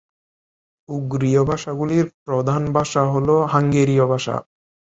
উগ্রীয় ভাষাগুলির প্রধান ভাষা হল হাঙ্গেরীয় ভাষা।